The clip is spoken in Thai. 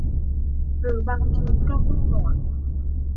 หรือบางทีก็ลูบหนวด